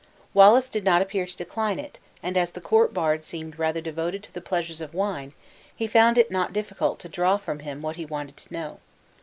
Wallace did not appear to decline it, and as the court bard seemed rather devoted to the pleasures of wine, he found it not difficult to draw from him what he wanted to know.